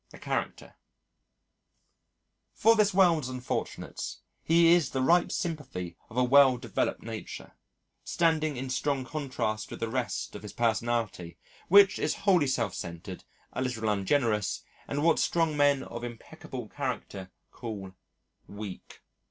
A Character For this world's unfortunates, his is the ripe sympathy of a well developed nature, standing in strong contrast with the rest of his personality, which is wholly self centred, a little ungenerous, and what strong men of impeccable character call "weak."